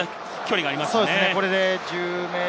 まだ距離がありますね。